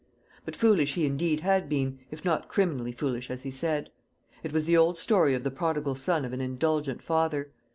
But foolish he indeed had been, if not criminally foolish as he said. It was the old story of the prodigal son of an indulgent father.